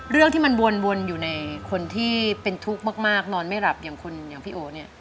เรื่องที่มันวนอยู่ในคนที่เป็นทุกข์มากนอนไม่หลับอย่างคนอย่างพี่โอเนี่ย